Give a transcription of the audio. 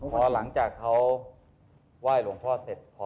พอหลังจากเขาไหว้หลวงพ่อเสร็จ